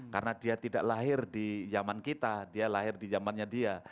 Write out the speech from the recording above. karena dia tidak lahir di zaman kita dia lahir di zamannya dia